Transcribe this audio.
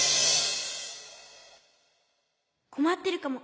こまってるかも。